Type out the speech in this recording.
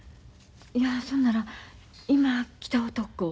いやそんなら今来た男。